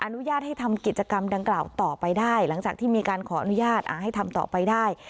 อนุญาตให้ทำกิจกรรมดังกล่าวต่อไปได้หลังจากที่มีการขออนุญาตให้ทำต่อไปได้